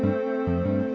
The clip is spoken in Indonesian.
tidak ada yang bisa dikira